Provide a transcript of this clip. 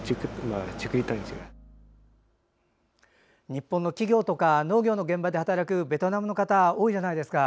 日本の企業とか農業の現場で働くベトナムの方多いじゃないですか。